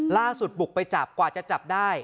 ล่าสุดบุกไปจับกว่าจะจับได้